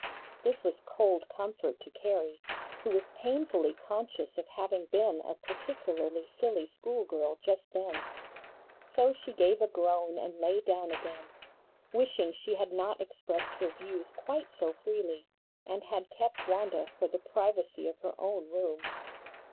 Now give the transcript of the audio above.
This was cold comfort to Carrie, who was painfully conscious of having been a particularly silly school girl just then. So she gave a groan and lay down again, wishing she had not expressed her views quite so freely, and had kept Wanda for the privacy of her own room.